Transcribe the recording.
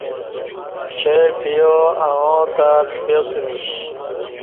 چائ پیا اݣاتہ تپیاسمیش